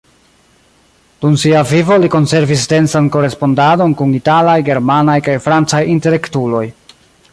Dum sia vivo li konservis densan korespondadon kun italaj, germanaj kaj francaj intelektuloj.